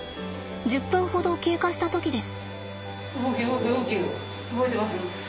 １０分ほど経過した時です。